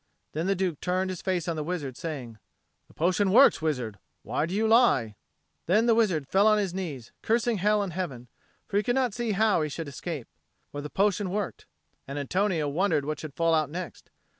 Then the Duke turned his face on the wizard, saying, "The potion works, wizard. Why did you lie?" Then the wizard fell on his knees, cursing hell and heaven; for he could not see how he should escape. For the potion worked. And Antonio wondered what should fall out next.